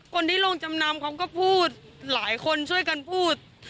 คนที่ลงจำนำเขาก็พูดหลายคนช่วยกันพูด